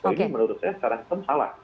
ini menurut saya secara sistem salah